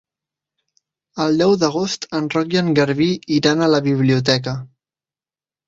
El deu d'agost en Roc i en Garbí iran a la biblioteca.